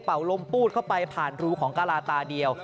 ลมปูดเข้าไปผ่านรูของกะลาตาเดียว